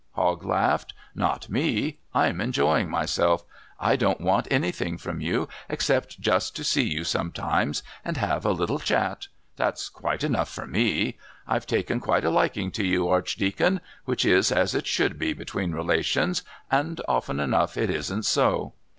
Hogg laughed. "Not me! I'm enjoying myself. I don't want anything from you except just to see you sometimes and have a little chat. That's quite enough for me! I've taken quite a liking to you, Archdeacon, which is as it should be between relations, and, often enough, it isn't so.